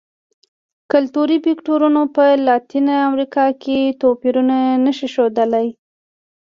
کلتوري فکټورونه په لاتینه امریکا کې توپیرونه نه شي ښودلی.